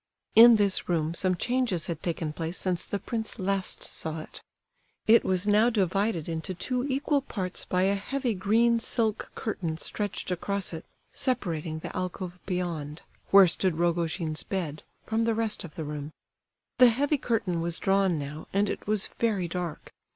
In this room some changes had taken place since the prince last saw it. It was now divided into two equal parts by a heavy green silk curtain stretched across it, separating the alcove beyond, where stood Rogojin's bed, from the rest of the room. The heavy curtain was drawn now, and it was very dark.